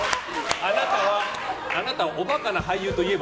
あなたはおバカな俳優といえば？